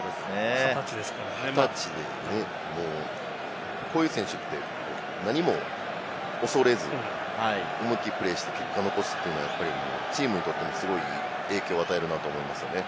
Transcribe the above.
２０歳でこういう選手って何も恐れず、思い切りプレーして結果を残すというのはチームにとってもすごくいい影響を与えるなと思いますね。